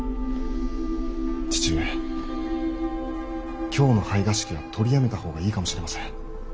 父上今日の拝賀式は取りやめた方がいいかもしれません。